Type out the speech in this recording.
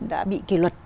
đã bị kỳ luật